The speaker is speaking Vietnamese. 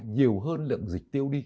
nhiều hơn lượng dịch tiêu đi